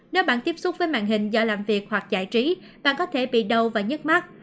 nếu bạn tiếp xúc với màn hình do làm việc hoặc giải trí bạn có thể bị đau và nhứt mắt